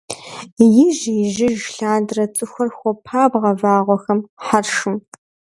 Ижь-ижьыж лъандэрэ цӏыхухэр хуопабгъэ вагъуэхэм, хьэршым.